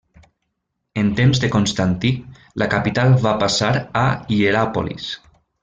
En temps de Constantí, la capital va passar a Hieràpolis.